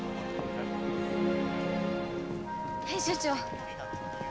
編集長。